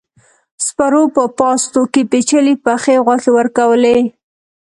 سپرو په پاستو کې پيچلې پخې غوښې ورکولې.